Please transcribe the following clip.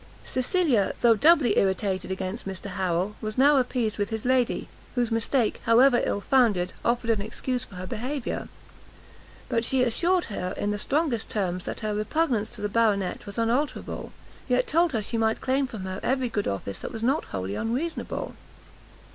Cecilia, though doubly irritated against Mr Harrel, was now appeased with his lady, whose mistake, however ill founded, offered an excuse for her behaviour; but she assured her in the strongest terms that her repugnance to the Baronet was unalterable, yet told her she might claim from her every good office that was not wholly unreasonable.